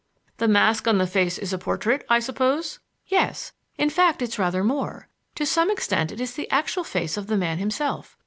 "The mask on the face is a portrait, I suppose?" "Yes; in fact, it's rather more. To some extent it is the actual face of the man himself.